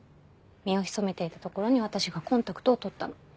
身を潜めていたところに私がコンタクトを取ったの。